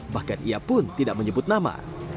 bahkan ia pun tidak menyebut nama